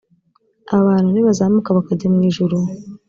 aba bantu nibazamuka bakajya mu ijuru